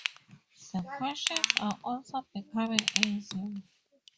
The questions are also becoming easier.